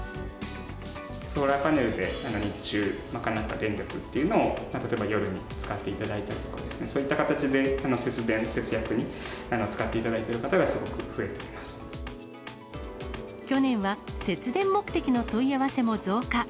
ソーラーパネルで日中賄った電力というのを、例えば夜に使っていただいたり、そういう形で節電、節約に使っていただいている方がすごく増えて去年は節電目的の問い合わせも増加。